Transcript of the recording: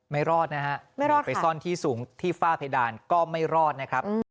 ไม่รอดนะฮะหนีไปซ่อนที่สูงที่ฝ้าเพดานก็ไม่รอดนะครับ